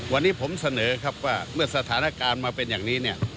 วันนี้ผมเสนอครับว่าเมื่อสถานการณ์มาเป็นอย่างนี้เนี่ย